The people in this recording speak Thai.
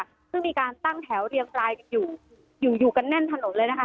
ซึ่งมีการตั้งแถวเรียงรายกันอยู่อยู่กันแน่นถนนเลยนะคะ